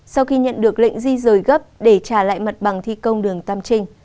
sau khi nhận được lệnh di rời gấp để trả lại mặt bằng thi công đường tam trinh